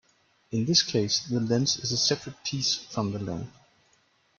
In this case, the lens is a separate piece from the lamp.